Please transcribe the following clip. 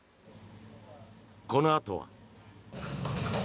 このあとは。